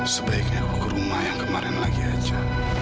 sebaiknya ke rumah yang kemarin lagi aja